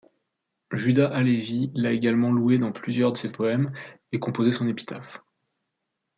Juda Halevi l'a également loué dans plusieurs de ses poèmes, et composé son épitaphe.